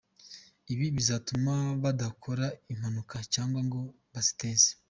Ibi bizatuma badakora impanuka cyangwa ngo baziteze."